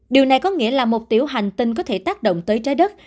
điều này có nghĩa là một tiểu hành tinh có thể tác động tới trái đất